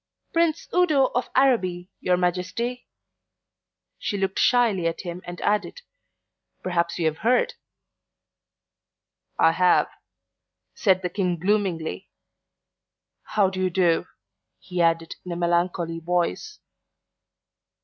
"Prince Udo of Araby, your Majesty." She looked shyly at him and added, "Perhaps you have heard." "I have," said the King gloomingly. "How do you do," he added in a melancholy voice.